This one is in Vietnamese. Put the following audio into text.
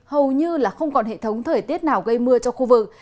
hầu như không còn hệ thống thời tiết nào gây mưa cho khu vực